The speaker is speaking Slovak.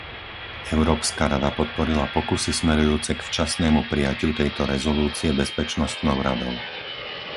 Európska rada podporila pokusy smerujúce k včasnému prijatiu tejto rezolúcie Bezpečnostnou radou.